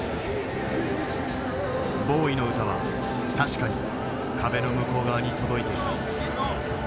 ボウイの歌は確かに壁の向こう側に届いていた。